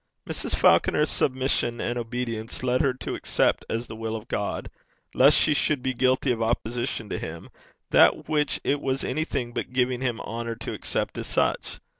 Mrs. Falconer's submission and obedience led her to accept as the will of God, lest she should be guilty of opposition to him, that which it was anything but giving him honour to accept as such.